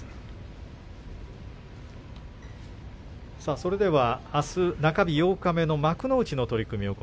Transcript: それでは、あす中日、八日目幕内の取組です。